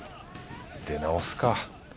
出直すか